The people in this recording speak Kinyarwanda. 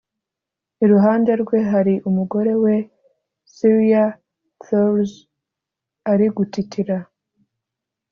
iruhande rwe hari umugore we Cilia Flores ari gutitira